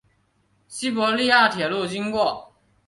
西伯利亚铁路经过。